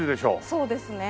そうですね。